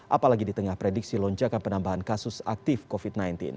apalagi di tengah prediksi lonjakan penambahan kasus aktif covid sembilan belas